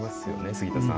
杉田さん。